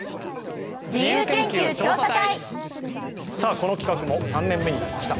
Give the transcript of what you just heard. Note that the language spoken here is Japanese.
この企画も３年目になりました。